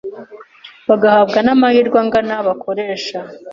bagahabwa n’amahirwe angana bakoresha